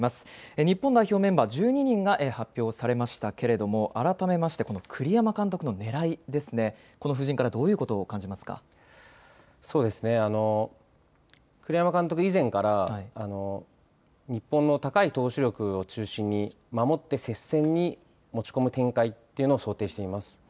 日本代表メンバー１２人が発表されましたけれども、改めまして、この栗山監督のねらいですね、この布陣からどういうことを感じまそうですね、栗山監督、以前から日本の高い投手力を中心に、守って接戦に持ち込む展開っていうのを想定しています。